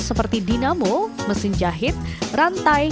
seperti dinamo mesin jahit rantai dan besi motor